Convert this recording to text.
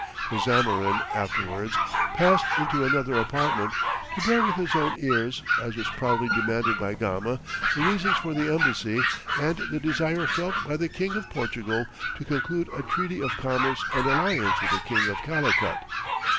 The Zamorin afterwards passed into another apartment, to hear with his own ears, as was proudly demanded by Gama, the reasons for the embassy and the desire felt by the King of Portugal to conclude a treaty of commerce and alliance with the King of Calicut.